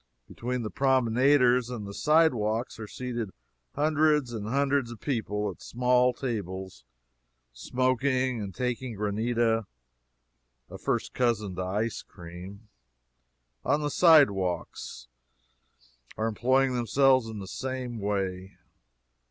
Between the promenaders and the side walks are seated hundreds and hundreds of people at small tables, smoking and taking granita, (a first cousin to ice cream;) on the side walks are more employing themselves in the same way.